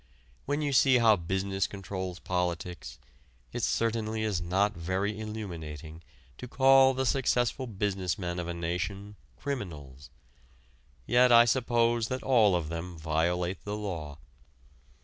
When you see how business controls politics, it certainly is not very illuminating to call the successful business men of a nation criminals. Yet I suppose that all of them violate the law.